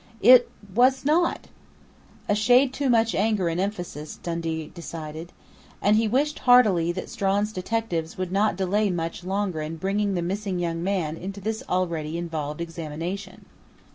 "It was not!" A shade too much anger and emphasis, Dundee decided. And he wished heartily that Strawn's detectives would not delay much longer in bringing the missing young man into this already involved examination.